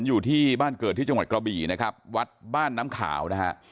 อยู่ที่บ้านเกิดที่จังหวัดกรบีวัดบ้านน้ำขาว